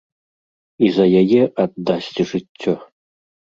І за яе аддасць жыццё.